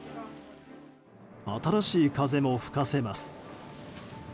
新しい風も吹かせます。